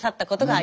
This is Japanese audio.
あ！